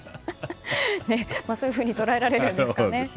そういうふうに捉えられるんですね。